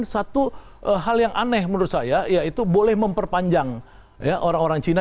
satu hal yang aneh menurut saya ya itu boleh memperpanjang orang orang china